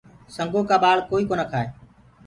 سنگو ڪآ ٻآݪ ڪوئي ڪونآ کآئي۔